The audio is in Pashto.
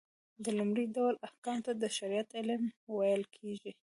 د لومړي ډول احکامو ته د شريعت علم ويل کېږي .